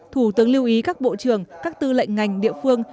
thủ tướng lưu ý các bộ trưởng các tư lệnh ngành địa phương